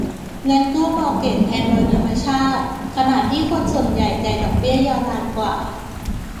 เงินกู้มอร์เกจแพงโดยธรรมชาติ ขณะที่คนส่วนใหญ่จ่ายดอกเบี้ยยาวนานกว่า